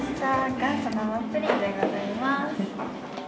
ＮＡＭＡプリンでございます。